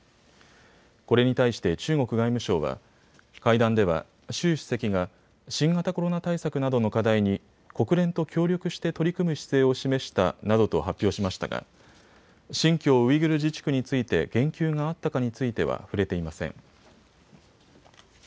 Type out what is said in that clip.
これに対して中国外務省は会談では習主席が新型コロナ対策などの課題に国連と協力して取り組む姿勢を示したなどと発表しましたが新疆ウイグル自治区について言及があったかについては触れていません。